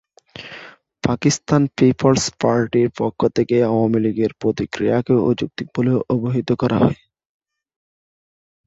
Pakistan people's পার্টির পক্ষ থেকে আওয়ামী লীগের প্রতিক্রিয়াকে অযৌক্তিক বলে অভিহিত করা হয়।